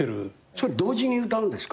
それ同時に歌うんですか？